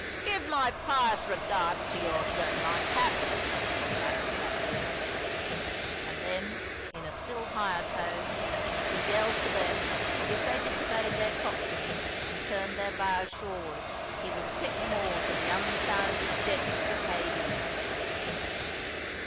"Give my pious regards to your Sir Nightcap," shouted Blackbeard. And then, in a still higher tone, he yelled to them that if they disobeyed their coxswain and turned their bow shoreward he would sink them all to the unsounded depths of Hades.